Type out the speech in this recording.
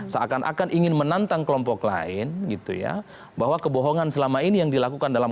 seakan akan ingin menantang kelompok lain gitu ya bahwa kebohongan selama ini yang dilakukan dalam